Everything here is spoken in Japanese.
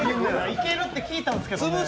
いけるって聞いたんですけどね。